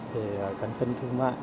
về cắn cân thương mại